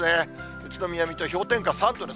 宇都宮、水戸氷点下３度です。